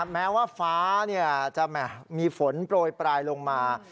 แม้ว่าฟ้าจะมีฝนโปรยปลายลงมา